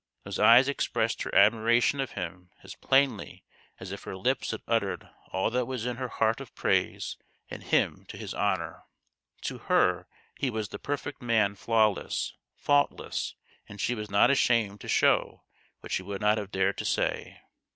Those e} 7 es expressed her admiration of him as plainly as if her lips had uttered all that was in her heart of praise and hymn to his honour. To her he was the perfect man flawless, faultless and she was not ashamed to show what she would not have dared to say. 160 THE GHOST OF THE PAST.